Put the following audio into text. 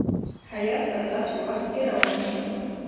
هیات په داسي وخت کې روان شو.